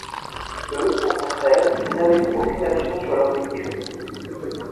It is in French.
Eux, au contraire, ils n’avaient aucune action sur leur véhicule.